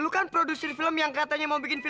lu kan produser film yang katanya mau bikin film